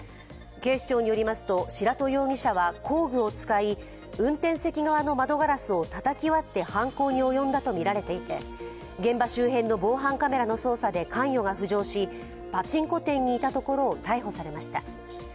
警視庁によりますと白土容疑者は工具を使い運転席側の窓ガラスをたたき割って犯行に及んだとみられていて現場周辺の防犯カメラの捜査で関与が浮上し、パチンコ店にいたところを逮捕されました。